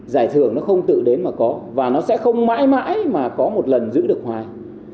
giải thưởng nó không tự đến mà có và nó sẽ không mãi mãi mà có một lần giữ được hoài